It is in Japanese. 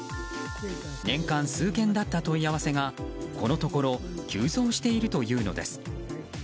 年間数件だった問い合わせがこのところ急増しているというのです。